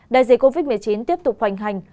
đại dịch covid một mươi chín tiếp tục hoành hành